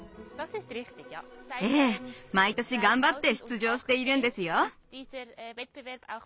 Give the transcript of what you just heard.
ええ毎年頑張って出場しているんですよ。